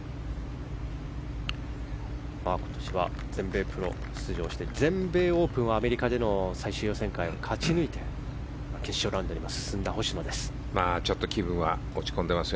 今年は全米プロ出場して全米オープンはアメリカでの最終予選会を勝ち抜いて決勝ラウンドに進んだ星野です。